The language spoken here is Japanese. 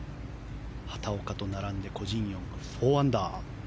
畑岡と並んでコ・ジンヨン、４アンダー。